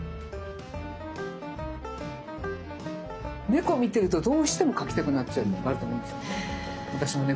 猫を見てるとどうしても描きたくなっちゃうとかあると思うんですよね。